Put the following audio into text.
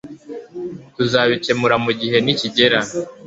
Tuzabikemura mugihe nikigera